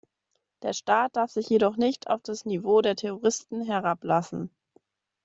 Der Staat darf sich jedoch nicht auf das Niveau der Terroristen herablassen.